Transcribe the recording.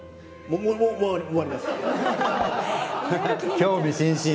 興味津々。